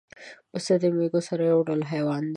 پسه د مېږو سره یو ډول حیوان دی.